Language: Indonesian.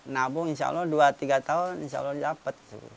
nabung insya allah dua tiga tahun insya allah dapat